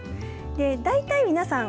大体皆さん